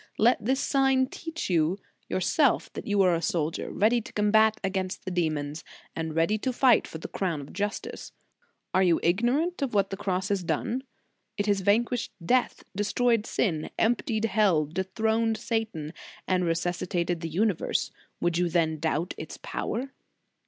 Let this sign teach you yourself that you are a soldier, ready to combat against the demons, and ready to fight for the crown of justice. Are you ignorant of what the Cross has done? It has vanquished death, destroyed sin, emptied hell, dethroned Satan, and re suscitated the universe; would you then doubt its power?"